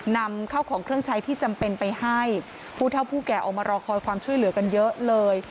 นำเข้าของเครื่องใช้ที่จำเป็นไปให้ผู้เท่าผู้แก่ออกมารอคอยความช่วยเหลือกันเยอะเลย